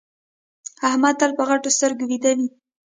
احمد تل په غټو سترګو ويده وي.